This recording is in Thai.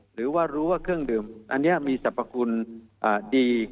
หรือว่ารู้ว่าเครื่องดื่มอันนี้มีสรรพคุณดี